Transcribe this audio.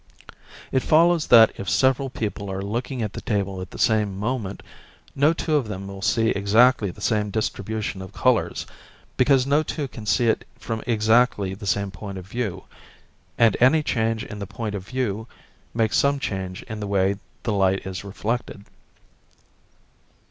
It follows that if several people are looking at the table at the same moment, no two of them will see exactly the same distribution of colours, because no two can see it from exactly the same point of view, and any change in the point of view makes some change in the way the light is reflected.